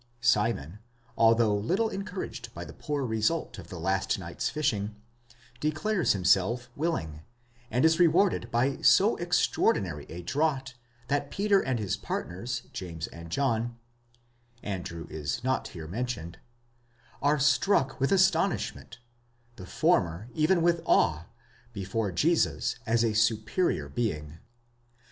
Simon, although little encouraged by the poor result of the last night's fishing, declares himself willing, and is rewarded by so extraordinary a draught, that Peter and his partners, James and John (Andrew is not here meutioned), are struck with astonishment, the former even with awe, before Jesns, as a superior being.